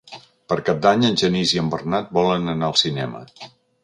Per Cap d'Any en Genís i en Bernat volen anar al cinema.